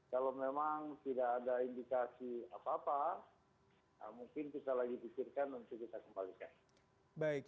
kalau memang tidak ada indikasi apa apa mungkin bisa lagi pikirkan untuk kita kembalikan